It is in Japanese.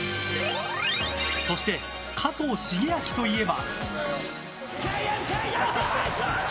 そして加藤シゲアキといえば。